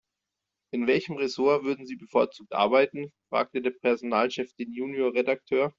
In welchem Ressort würden Sie bevorzugt arbeiten?, fragte der Personalchef den Junior-Redakteur.